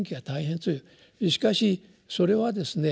しかしそれはですね